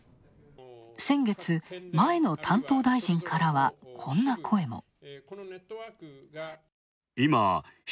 先月前の担当大臣からはこんな声も。